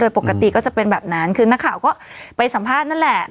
ปกติก็จะเป็นแบบนั้นคือนักข่าวก็ไปสัมภาษณ์นั่นแหละ